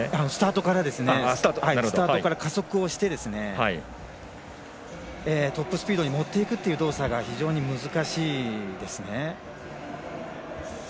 スタートから加速をしてトップスピードに持っていくという動作が非常に難しいですね。